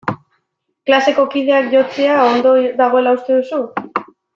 Klaseko kideak jotzea ondo dagoela uste duzu?